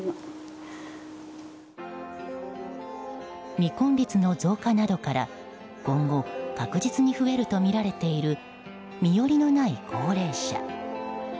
未婚率の増加などから今後確実に増えるとみられている身寄りのない高齢者。